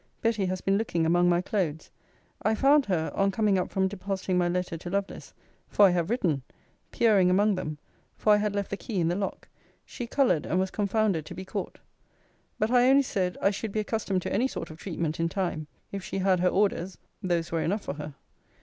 Betty has been looking among my clothes. I found her, on coming up from depositing my letter to Lovelace (for I have written!) peering among them; for I had left the key in the lock. She coloured, and was confounded to be caught. But I only said, I should be accustomed to any sort of treatment in time. If she had her orders those were enough for her.